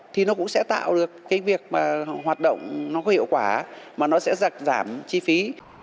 thì nó cũng sẽ tạo được cái việc mà hoạt động nó có hiệu quả mà nó sẽ giặt giảm chi phí